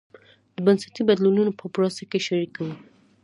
د بنسټي بدلونونو په پروسه کې شریکه وه.